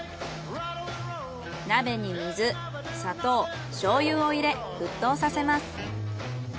鍋に水砂糖醤油を入れ沸騰させます。